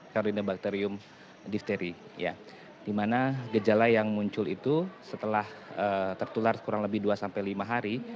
karinebacterium difteri di mana gejala yang muncul itu setelah tertular kurang lebih dua sampai lima hari